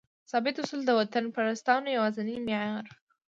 ثابت اصول؛ د وطنپرستانو یوازینی معیار